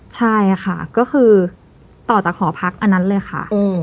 ใช่ค่ะก็คือต่อจากหอพักอันนั้นเลยค่ะ